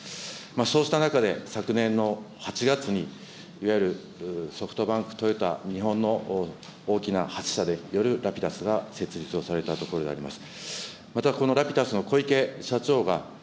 そうした中で、昨年の８月に、いわゆるソフトバンク、トヨタ、日本の大きな柱でラピダスを設立をされたところであります。